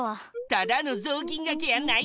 ただのぞうきんがけやないで。